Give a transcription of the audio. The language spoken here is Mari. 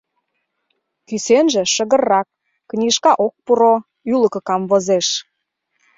Кӱсенже шыгыррак: книжка ок пуро, ӱлыкӧ камвозеш.